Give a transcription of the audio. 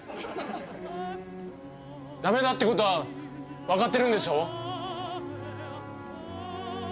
駄目だってことは分かってるんでしょう？